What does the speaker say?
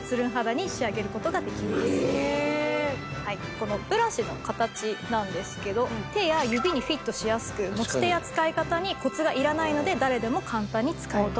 このブラシの形なんですけど手や指にフィットしやすく持ち手や使い方にコツがいらないので誰でも簡単に使えます。